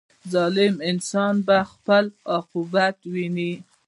• ظالم انسان به خپل عاقبت ویني.